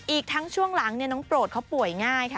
อีกทั้งช่วงหลังน้องโปรดเขาป่วยง่ายค่ะ